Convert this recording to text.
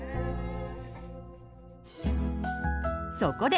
そこで！